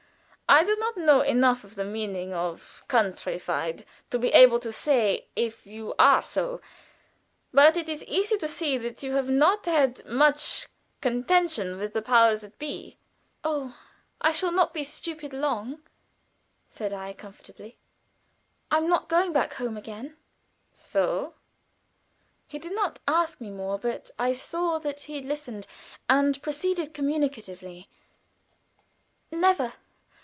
I don't know enough of the meaning of 'countrified' to be able to say if you are so, but it is easy to see that you have not had much contention with the powers that be." "Oh, I shall not be stupid long," said I, comfortably. "I am not going back home again." "So!" He did not ask more, but I saw that he listened, and proceeded communicatively: "Never.